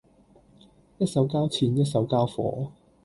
一手交錢一手交貨